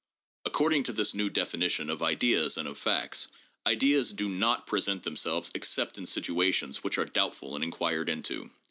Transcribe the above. According to this new definition of ideas and of facts, ideas do not present themselves except in situations which are doubtful and inquired into.